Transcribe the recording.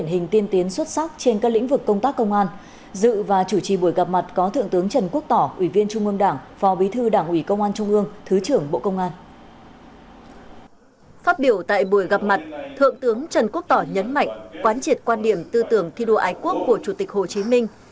phát biểu tại buổi gặp mặt thượng tướng trần quốc tỏ nhấn mạnh quán triệt quan điểm tư tưởng thi đua ái quốc của chủ tịch hồ chí minh